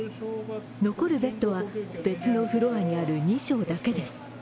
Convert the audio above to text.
残るベッドは別のフロアにある２床だけです。